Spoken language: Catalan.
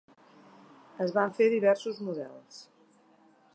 Es van fer diversos models: